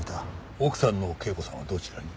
奥さんの圭子さんはどちらに？